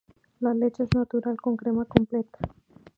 La leche es natural, con crema completa.